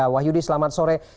wahyudi selamat sore